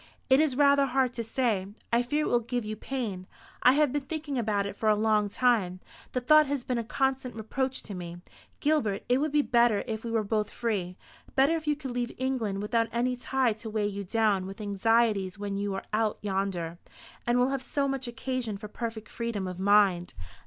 "It is rather hard to say. I fear it will give you pain. I have been thinking about it for a long time. The thought has been a constant reproach to me. Gilbert, it would be better if we were both free; better if you could leave England without any tie to weigh you down with anxieties when you are out yonder, and will have so much occasion for perfect freedom of mind."